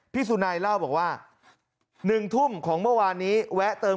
สุนัยเล่าบอกว่า๑ทุ่มของเมื่อวานนี้แวะเติม